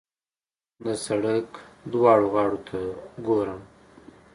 د سړک دواړو غاړو ته ګورم.